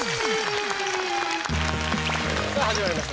さあ始まりました